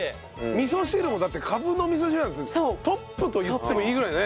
味噌汁もだってカブの味噌汁なんてトップと言ってもいいぐらいね。